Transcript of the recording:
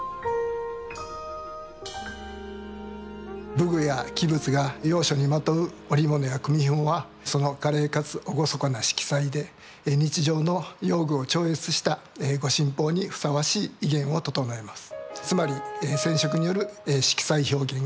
武具や器物が要所にまとう織物や組みひもはその華麗かつ厳かな色彩で日常の用具を超越した御神宝にふさわしい威厳をととのえます。